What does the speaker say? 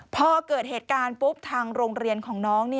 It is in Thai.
พอเกิดเหตุการณ์ปุ๊บทางโรงเรียนของน้อง